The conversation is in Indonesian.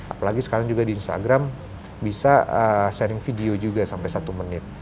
apalagi sekarang juga di instagram bisa sharing video juga sampai satu menit